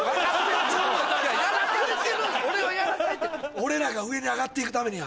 俺らが上に上がっていくためには。